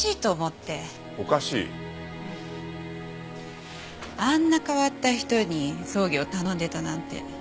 おかしい？あんな変わった人に葬儀を頼んでたなんて。